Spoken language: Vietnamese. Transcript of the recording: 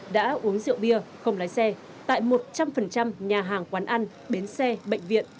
đã uống rượu bia không lái xe tại một trăm linh nhà hàng quán ăn bến xe bệnh viện